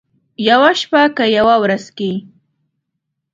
یوه شپه که یوه ورځ کې،